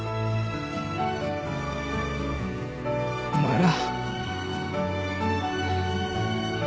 お前ら。